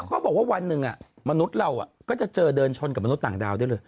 เขาบอกว่าวันหนึ่งมนุษย์เราก็จะเจอเดินชนกับมนุษย์ต่างดาวได้เลย